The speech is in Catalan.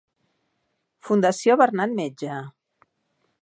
Fundació Bernat Metge.